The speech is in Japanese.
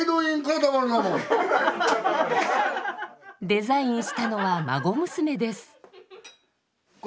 デザインしたのは孫娘です。